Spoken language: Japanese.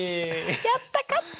やった勝った！